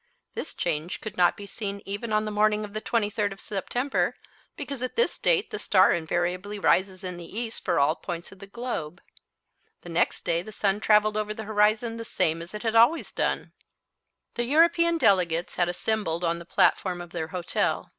This change could not be seen even on the morning of the 23d of September, because at this date the star invariably rises in the east for all points of the globe. The next day the sun travelled over the horizon the same as it had always done. The European delegates had assembled on the platform of their hotel.